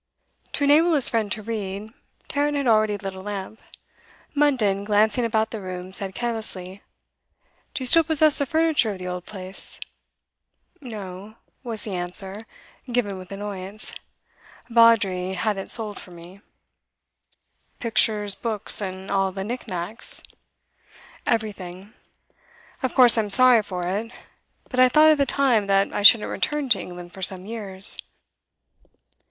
To enable his friend to read, Tarrant had already lit a lamp. Munden, glancing about the room, said carelessly: 'Do you still possess the furniture of the old place?' 'No,' was the answer, given with annoyance. 'Vawdrey had it sold for me.' 'Pictures, books, and all the nick nacks?' 'Everything. Of course I'm sorry for it; but I thought at the time that I shouldn't return to England for some years.